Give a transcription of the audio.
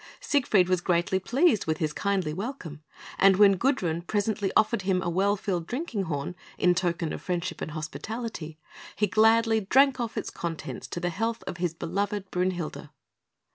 Siegfried was greatly pleased with his kindly welcome; and when Gudrun presently offered him a well filled drinking horn, in token of friendship and hospitality, he gladly drank off its contents to the health of his beloved Brünhilde.